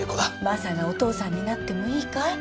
マサがお父さんになってもいいかい？